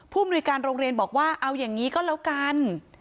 มนุยการโรงเรียนบอกว่าเอาอย่างนี้ก็แล้วกัน